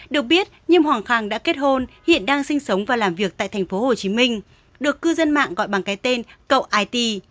được biết niêm hoàng đã kết hôn hiện đang sinh sống và làm việc tại tp hcm được cư dân mạng gọi bằng cái tên cậu it